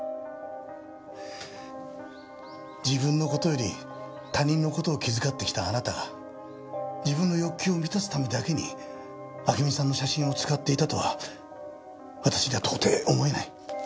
自分の事より他人の事を気遣ってきたあなたが自分の欲求を満たすためだけに暁美さんの写真を使っていたとは私には到底思えない。